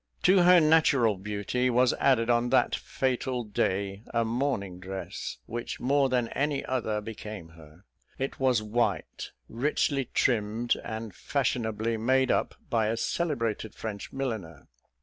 To her natural beauty was added on that fatal day a morning dress, which more than any other became her; it was white, richly trimmed, and fashionably made up by a celebrated French milliner.